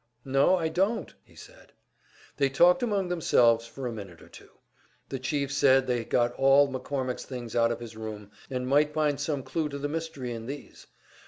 "No, I don't," he said. They talked among themselves for a minute or two. The Chief said they had got all McCormick's things out of his room, and might find some clue to the mystery in these.